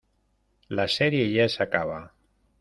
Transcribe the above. La serie ya se acaba.